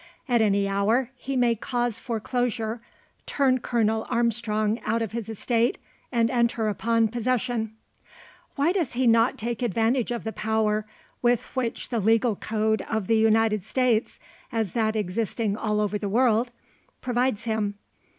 At any hour he may cause foreclosure, turn Colonel Armstrong out of his estate, and enter upon possession. Why does he not take advantage of the power, with which the legal code of the United States, as that existing all over the world, provides him?